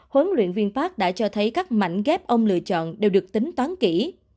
huấn luyện viên park đã cho thấy các mảnh ghép ông lựa chọn đều được tính toán kỹ